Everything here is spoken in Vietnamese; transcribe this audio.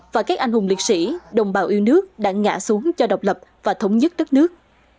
và các anh hùng liệt sĩ đồng bào yêu nước đã ngã xuống cho độc lập và thống nhất đất nước